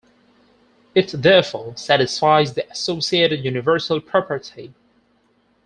It therefore satisfies the associated universal property.